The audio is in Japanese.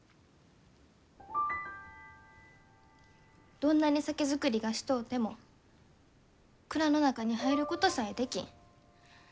どんなに酒造りがしとうても蔵の中に入ることさえできん。